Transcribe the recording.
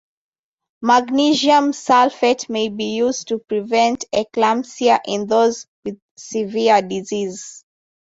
Magnesium sulfate may be used to prevent eclampsia in those with severe disease.